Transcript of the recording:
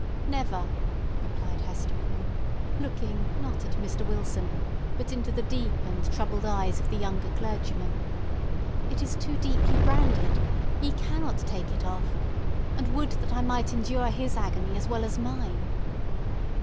"Never," replied Hester Prynne, looking, not at Mr. Wilson, but into the deep and troubled eyes of the younger clergyman. "It is too deeply branded. Ye cannot take it off. And would that I might endure his agony as well as mine!"